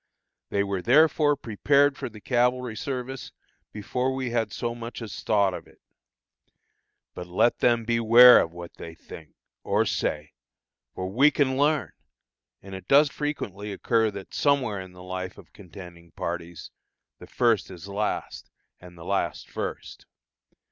They were therefore prepared for the cavalry service, before we had so much as thought of it. But let them beware of what they think or say, for we can learn, and it does frequently occur that somewhere in the experience of contending parties, "the first is last, and the last first."